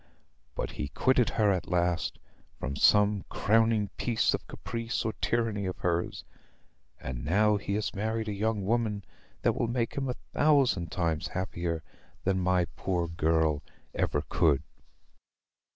But he quitted her at last, from some crowning piece of caprice or tyranny of hers; and now he has married a young woman that will make him a thousand times happier than my poor girl ever could."